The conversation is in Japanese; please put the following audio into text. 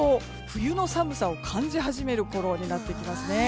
冬の寒さを感じ始めるころになってきますね。